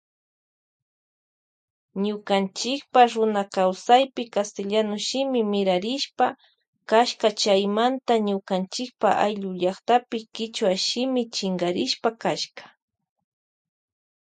Ñukanchipa runakaysapi castellano shimi mirarishpa kasha chaymanta nukanchipa ayllu llaktapi kichwa shimi shinkarispa kashka.